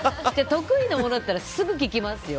得意のものだったらすぐ答えますよ。